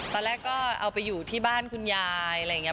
ตอนแรกก็เอาไปอยู่ที่บ้านคุณยายอะไรอย่างนี้